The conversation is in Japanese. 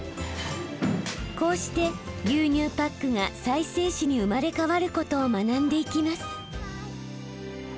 こうして牛乳パックが再生紙に生まれ変わることを学んでいきます。